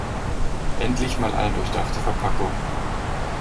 Endlich mal eine durchdachte Verpackung.